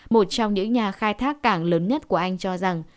một trong những nhà khai thác cảng lớn nhất của anh cho rằng